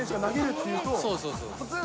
そうそうそう。